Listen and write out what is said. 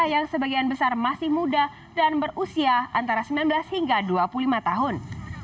yang sebagian besar masih muda dan berusia antara sembilan belas hingga dua puluh lima tahun